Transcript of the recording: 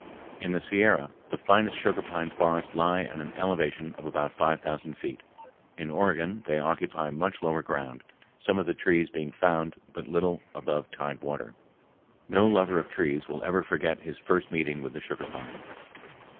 In the Sierra the finest sugar pine forests lie at an elevation of about five thousand feet. In Oregon they occupy much lower ground, some of the trees being found but little above tide water. No lover of trees will ever forget his first meeting with the sugar pine.